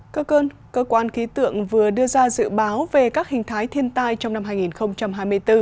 cơ cơn cơ quan khí tượng vừa đưa ra dự báo về các hình thái thiên tai trong năm hai nghìn hai mươi bốn